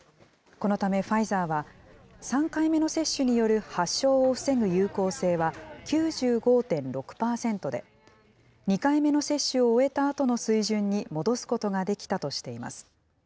このためファイザーは、３回目の接種による発症を防ぐ有効性は９５．６％で、２回目の接種を終えたあとの水準に戻すことができたとしています。